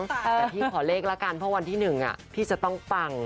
แต่พี่ขอเลขละกันเพราะวันที่๑พี่จะต้องปัง